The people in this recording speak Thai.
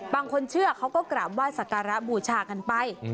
บางคนเชื่อเขาก็กราบไหว้สักการะบูชากันไป